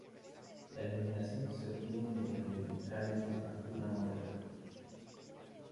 La iluminación se obtiene mediante vitrales de factura moderna.